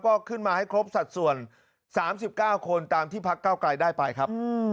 ก็ขึ้นมาให้ครบสัดส่วน๓๙คนตามที่พักเก้าไกลได้ไปครับ